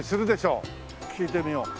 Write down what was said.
聞いてみよう。